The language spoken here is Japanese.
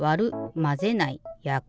「まぜない」「やく」だな？